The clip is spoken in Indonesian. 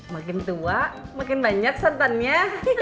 makin tua makin banyak santannya